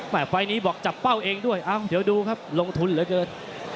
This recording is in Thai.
ไฟล์นี้บอกจับเป้าเองด้วยเอ้าเดี๋ยวดูครับลงทุนเหลือเกิน